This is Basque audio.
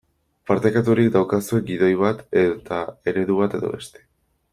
Partekaturik daukazue gidoi bat eta eredu bat edo beste.